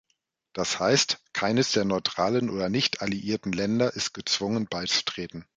Das heißt, keines der neutralen oder nicht alliierten Länder ist gezwungen beizutreten.